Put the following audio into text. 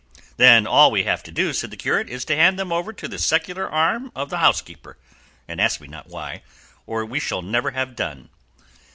'" "Then all we have to do," said the curate, "is to hand them over to the secular arm of the housekeeper, and ask me not why, or we shall never have done."